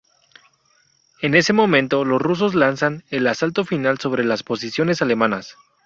En ese momento los rusos lanzan el asalto final sobre las posiciones alemanas.